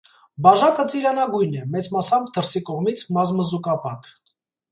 Բաժակը ծիրանագույն է, մեծ մասամբ դրսի կողմից մազմզուկապատ։